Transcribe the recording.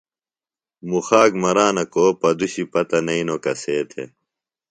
مُخاک مرانہ کُو پدُشی پتہ نئینو کسے تھے۔